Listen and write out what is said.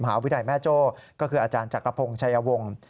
หาวิทยาลัยแม่โจ้ก็คืออาจารย์จักรพงศ์ชัยวงศ์